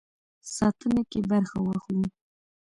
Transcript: ساتنه کې برخه واخلو.